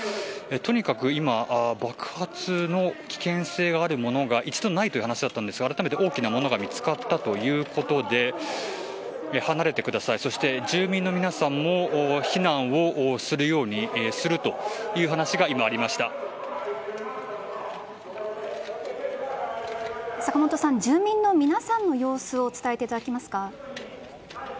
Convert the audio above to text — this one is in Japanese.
とにかく今爆発の危険性があるものが一度、ないという話でしたがあらためて大きなものが見つかったということで離れてくださいそして住民の皆さんも避難をするように住民の皆さんの様子を伝えていただけますか。